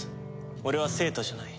俺は生徒じゃない。